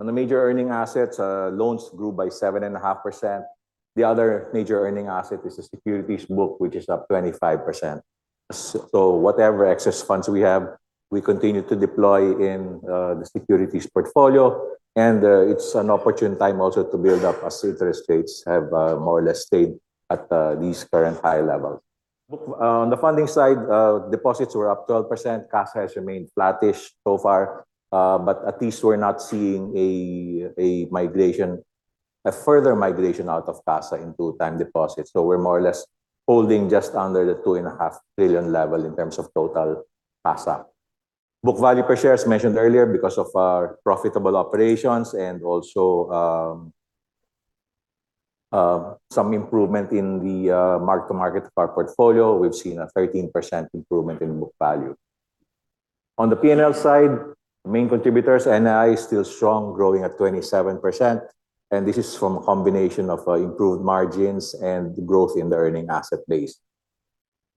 On the major earning assets, loans grew by 7.5%. The other major earning asset is the securities book, which is up 25%. Whatever excess funds we have, we continue to deploy in the securities portfolio, and it's an opportune time also to build up as interest rates have more or less stayed at these current high levels. On the funding side, deposits were up 12%. CASA has remained flattish so far. At least we're not seeing a further migration out of CASA into time deposits. We're more or less holding just under the 2.5 trillion level in terms of total CASA. Book value per share, as mentioned earlier, because of our profitable operations and also some improvement in the mark-to-market of our portfolio, we've seen a 13% improvement in book value. On the P&L side, main contributors, NII is still strong, growing at 27%, and this is from a combination of improved margins and growth in the earning asset base.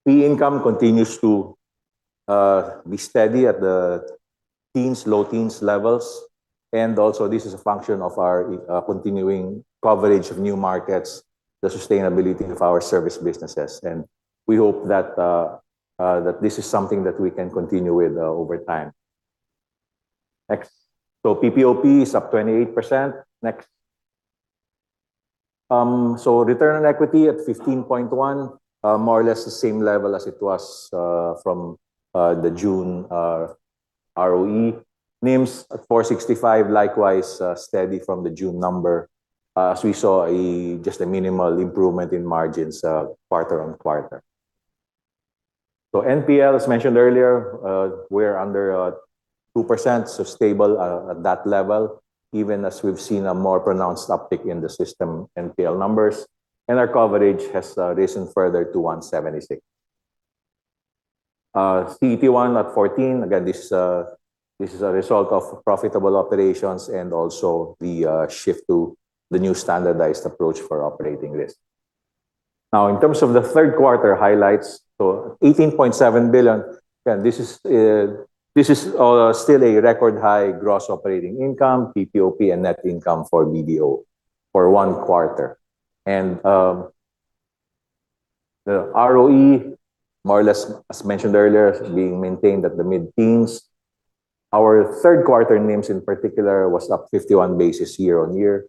Fee income continues to be steady at the teens, low teens levels, and also this is a function of our continuing coverage of new markets, the sustainability of our service businesses. We hope that this is something that we can continue with over time. Next. PPOP is up 28%. Next. Return on equity at 15.1, more or less the same level as it was from the June ROE. NIMS at 465, likewise steady from the June number, as we saw just a minimal improvement in margins quarter-on-quarter. NPL, as mentioned earlier, we're under 2%, so stable at that level, even as we've seen a more pronounced uptick in the system NPL numbers. Our coverage has risen further to 176. CET1 at 14, again, this is a result of profitable operations and also the shift to the new standardized approach for operating this. Now, in terms of the third quarter highlights. 18.7 billion, again, this is still a record-high gross operating income, PPOP, and net income for BDO for one quarter. The ROE, more or less as mentioned earlier, being maintained at the mid-teens. Our third quarter NIMS in particular was up 51 basis year-on-year,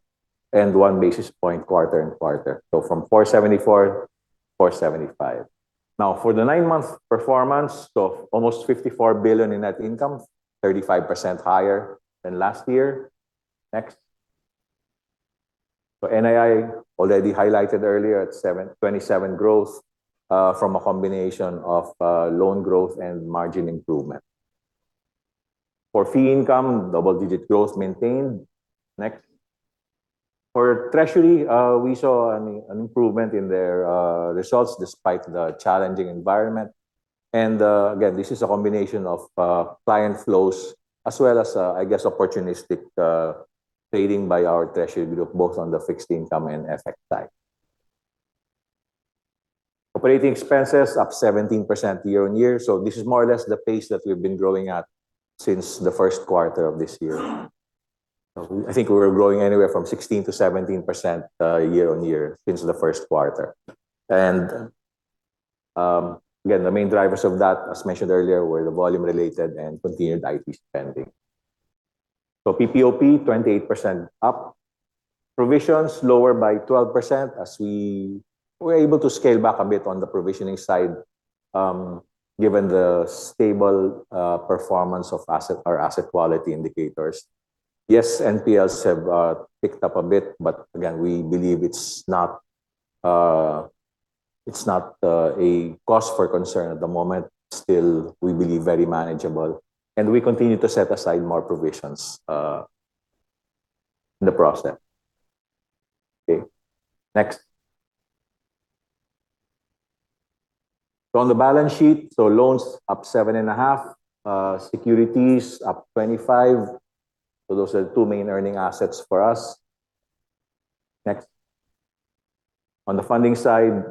and one basis point quarter-on-quarter, so from 474, 475. Now, for the nine-month performance, almost 54 billion in net income, 35% higher than last year. Next. NII, already highlighted earlier at 27 growth from a combination of loan growth and margin improvement. For fee income, double-digit growth maintained. Next. For treasury, we saw an improvement in their results despite the challenging environment. Again, this is a combination of client flows as well as, I guess, opportunistic trading by our treasury group, both on the fixed income and FX side. Operating expenses up 17% year-on-year. This is more or less the pace that we've been growing at since the first quarter of this year. I think we were growing anywhere from 16%-17% year-on-year since the first quarter. Again, the main drivers of that, as mentioned earlier, were the volume related and continued IT spending. PPOP, 28% up. Provisions lower by 12% as we were able to scale back a bit on the provisioning side given the stable performance of our asset quality indicators. Yes, NPLs have ticked up a bit, again, we believe it's not a cause for concern at the moment. Still, we believe very manageable, and we continue to set aside more provisions in the process. Okay, next. On the balance sheet, loans up 7.5, securities up 25. Those are the two main earning assets for us. Next. On the funding side,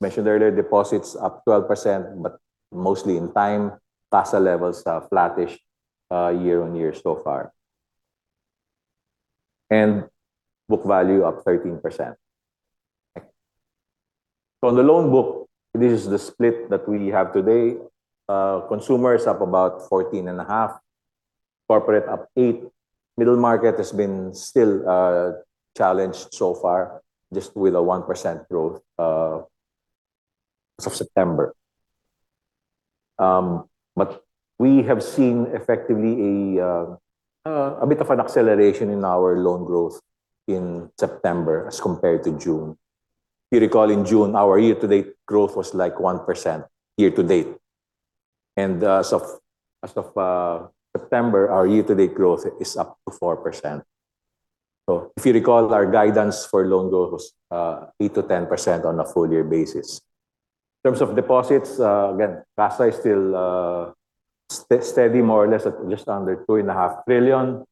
mentioned earlier, deposits up 12%, but mostly in time. CASA levels are flattish year-over-year so far. Book value up 13%. On the loan book, this is the split that we have today. Consumer is up about 14.5, corporate up eight. Middle market has been still challenged so far, just with a 1% growth as of September. We have seen effectively a bit of an acceleration in our loan growth in September as compared to June. If you recall, in June, our year-to-date growth was like 1%, year-to-date. As of September, our year-to-date growth is up to 4%. If you recall, our guidance for loan growth was 8%-10% on a full year basis. In terms of deposits, again, CASA is still steady, more or less at just under 2.5 trillion.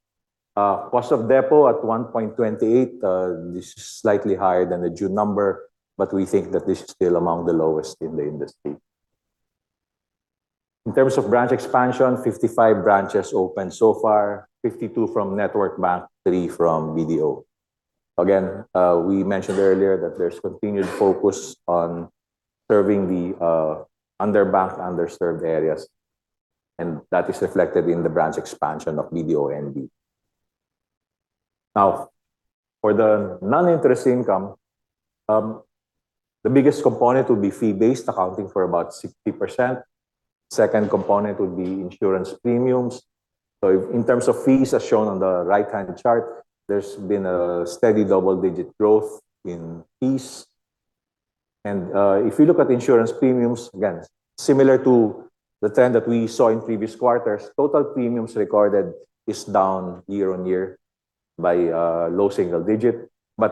Cost of deposits at 1.28%. This is slightly higher than the June number, we think that this is still among the lowest in the industry. In terms of branch expansion, 55 branches opened so far, 52 from BDO Network Bank, three from BDO. Again, we mentioned earlier that there's continued focus on serving the underbanked, underserved areas, and that is reflected in the branch expansion of BDO NB. For the non-interest income, the biggest component would be fee-based, accounting for about 60%. Second component would be insurance premiums. In terms of fees, as shown on the right-hand chart, there's been a steady double-digit growth in fees. If you look at insurance premiums, again, similar to the trend that we saw in previous quarters, total premiums recorded is down year-over-year by low single digit.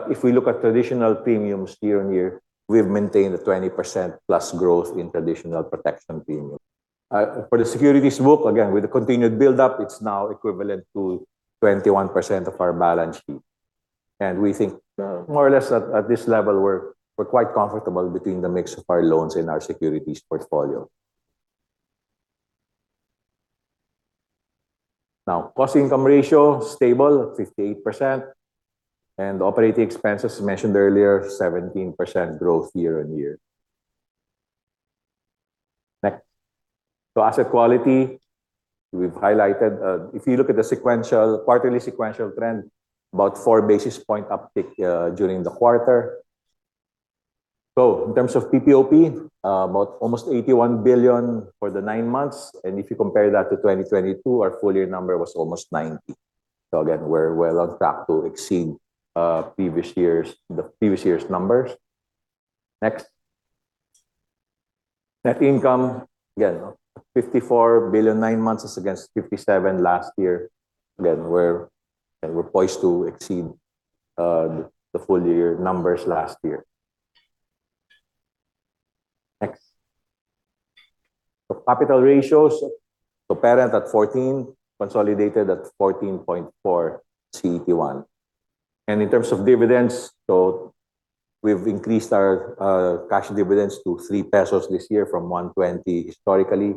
If we look at traditional premiums year-over-year, we've maintained a 20%-plus growth in traditional protection premiums. For the securities book, again, with the continued buildup, it's now equivalent to 21% of our balance sheet. We think more or less at this level, we're quite comfortable between the mix of our loans and our securities portfolio. Cost-income ratio, stable at 58%, operating expenses, as mentioned earlier, 17% growth year-over-year. Next. Asset quality, we've highlighted. If you look at the quarterly sequential trend, about four basis point uptick during the quarter. In terms of PPOP, about almost 81 billion for the nine months. If you compare that to 2022, our full year number was almost 90 billion. Again, we're well on track to exceed the previous year's numbers. Next. Net income, again, 54 billion, nine months. It's against 57 billion last year. Again, we're poised to exceed the full year numbers last year. Next. Capital ratios, parent at 14% consolidated at 14.4% CET1. In terms of dividends, so we've increased our cash dividends to 3 pesos this year from 1.20 historically.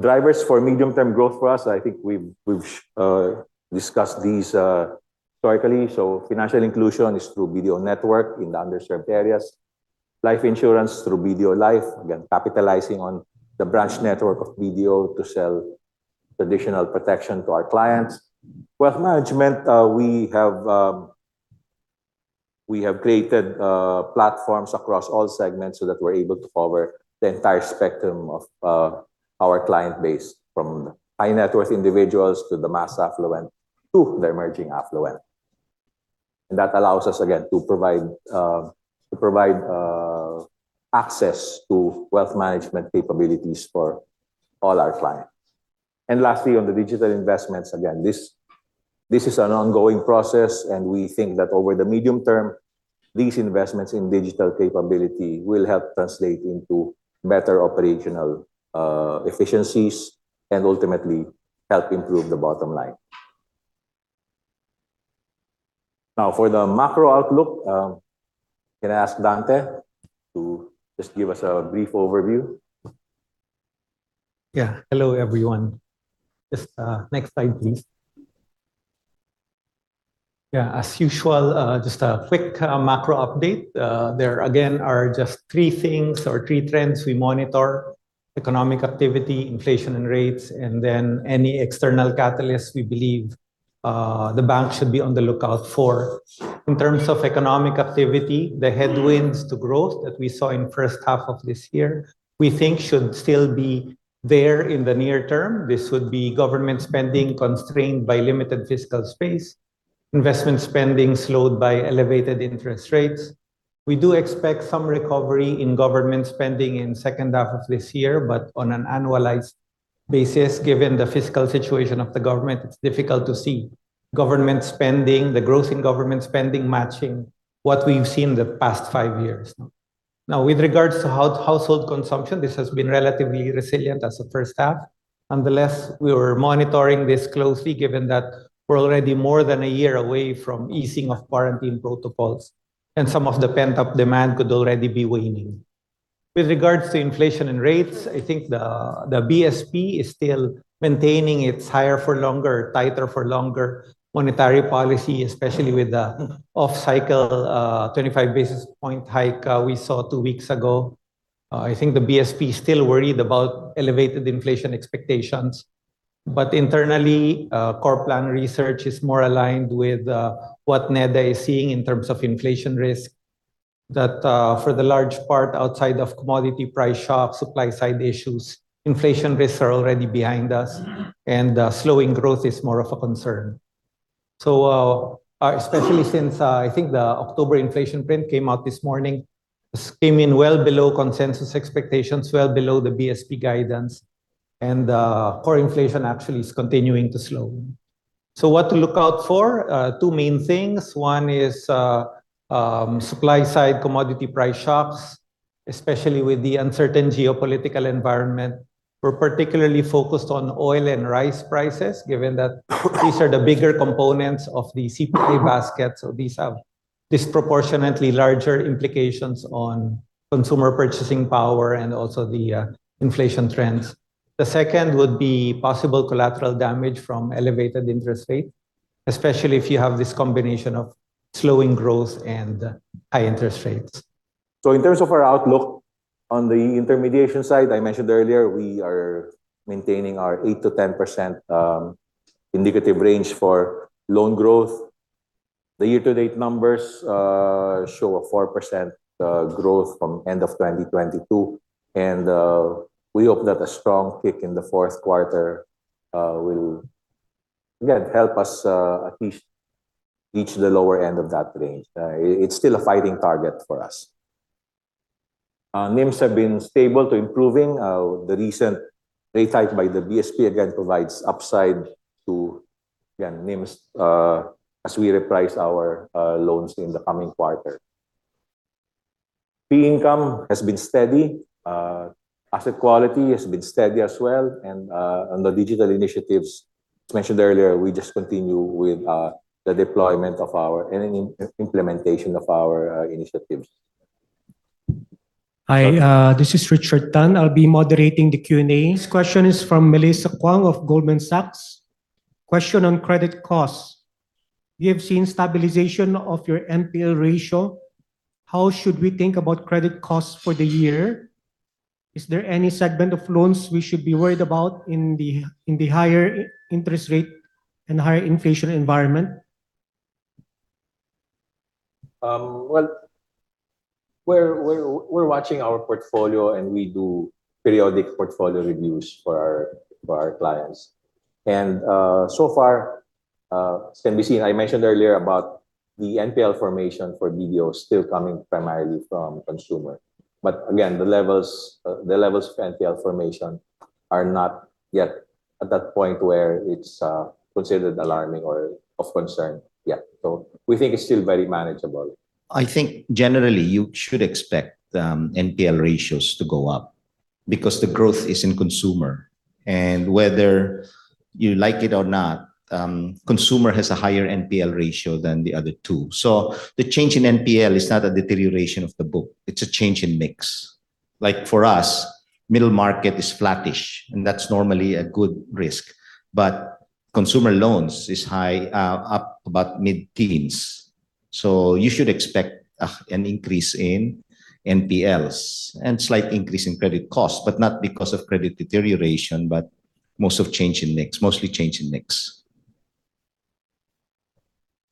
Drivers for medium-term growth for us, I think we've discussed these historically. Financial inclusion is through BDO Network in the underserved areas. Life insurance through BDO Life, again, capitalizing on the branch network of BDO to sell traditional protection to our clients. Wealth management, we have created platforms across all segments so that we're able to cover the entire spectrum of our client base, from high-net-worth individuals to the mass affluent to the emerging affluent. That allows us, again, to provide access to wealth management capabilities for all our clients. Lastly, on the digital investments, again, this is an ongoing process and we think that over the medium term, these investments in digital capability will help translate into better operational efficiencies and ultimately help improve the bottom line. For the macro outlook, can I ask Dante to just give us a brief overview? Hello, everyone. Just next slide, please. As usual, just a quick macro update. There, again, are just three things or three trends we monitor: economic activity, inflation and rates, and then any external catalysts we believe the bank should be on the lookout for. In terms of economic activity, the headwinds to growth that we saw in first half of this year, we think should still be there in the near term. This would be government spending constrained by limited fiscal space, investment spending slowed by elevated interest rates. We do expect some recovery in government spending in second half of this year, but on an annualized basis, given the fiscal situation of the government, it's difficult to see government spending, the growth in government spending matching what we've seen the past five years. With regards to household consumption, this has been relatively resilient as of first half. Nonetheless, we are monitoring this closely given that we're already more than a year away from easing of quarantine protocols, and some of the pent-up demand could already be waning. With regards to inflation and rates, I think the BSP is still maintaining its higher for longer, tighter for longer monetary policy, especially with the off-cycle 25-basis point hike we saw two weeks ago. I think the BSP is still worried about elevated inflation expectations. Internally, Corplan Research is more aligned with what NEDA is seeing in terms of inflation risk, that for the large part, outside of commodity price shocks, supply side issues, inflation risks are already behind us and slowing growth is more of a concern. Especially since I think the October inflation print came out this morning, came in well below consensus expectations, well below the BSP guidance, and core inflation actually is continuing to slow. What to look out for? Two main things. One is supply-side commodity price shocks, especially with the uncertain geopolitical environment. We're particularly focused on oil and rice prices, given that these are the bigger components of the CPI basket. These have Disproportionately larger implications on consumer purchasing power and also the inflation trends. The second would be possible collateral damage from elevated interest rate, especially if you have this combination of slowing growth and high interest rates. In terms of our outlook on the intermediation side, I mentioned earlier we are maintaining our 8%-10% indicative range for loan growth. The year-to-date numbers show a 4% growth from end of 2022, and we hope that a strong kick in the fourth quarter will, again, help us at least reach the lower end of that range. It's still a fighting target for us. NIMS have been stable to improving. The recent rate hike by the BSP, again, provides upside to NIMS as we reprice our loans in the coming quarter. Fee income has been steady. Asset quality has been steady as well. On the digital initiatives, as mentioned earlier, we just continue with the deployment and implementation of our initiatives. Hi, this is Richard Tan. I'll be moderating the Q&A. This question is from Melissa Kuang of Goldman Sachs. Question on credit costs. We have seen stabilization of your NPL ratio. How should we think about credit costs for the year? Is there any segment of loans we should be worried about in the higher interest rate and higher inflation environment? Well, we're watching our portfolio, and we do periodic portfolio reviews for our clients. So far, it can be seen, I mentioned earlier about the NPL formation for BDO still coming primarily from consumer. Again, the levels of NPL formation are not yet at that point where it's considered alarming or of concern yet. We think it's still very manageable. I think generally you should expect NPL ratios to go up because the growth is in consumer. Whether you like it or not, consumer has a higher NPL ratio than the other two. The change in NPL is not a deterioration of the book, it's a change in mix. Like for us, middle market is flattish, and that's normally a good risk. Consumer loans is high, up about mid-teens. You should expect an increase in NPLs and slight increase in credit costs, but not because of credit deterioration, but mostly change in mix.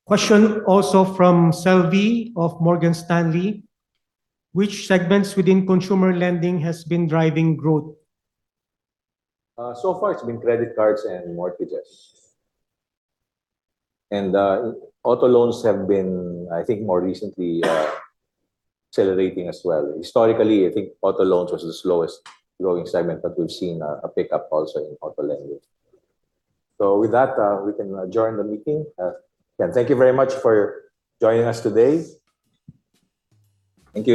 Question also from Selvie of Morgan Stanley. Which segments within consumer lending has been driving growth? Far it's been credit cards and mortgages. Auto loans have been, I think, more recently accelerating as well. Historically, I think auto loans was the slowest growing segment, but we've seen a pickup also in auto lending. With that, we can adjourn the meeting. Again, thank you very much for joining us today. Thank you.